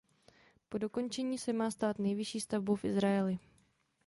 Po dokončení se má stát nejvyšší stavbou v Izraeli.